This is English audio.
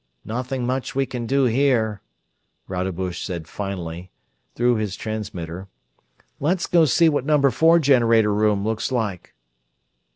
"Nothing much we can do here," Rodebush said finally, through his transmitter, "Let's go see what number four generator room looks like."